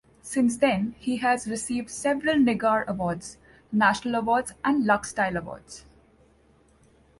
Since then, he has received several Nigar Awards, National Awards and Lux Style Awards.